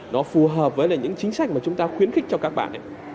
nó phù hợp với lại những chính sách mà chúng ta khuyến khích cho các bạn